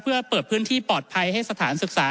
เพื่อเปิดพื้นที่ปลอดภัยให้สถานศึกษา